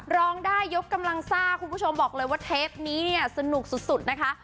ร้องได้ยกกำลังซ่าคุณผู้ชมบอกเลยว่าเทปนี้เนี่ยสนุกสุดนะคะ